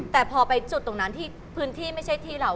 แต่พอไปจุดตรงนั้นที่พื้นที่ไม่ใช่ที่เรา